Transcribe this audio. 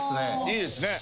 いいっすね。